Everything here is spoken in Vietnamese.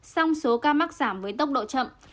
song số ca mắc giảm với tốc độ chậm